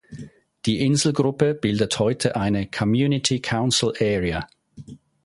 Die Inselgruppe bildet heute eine "Community council area".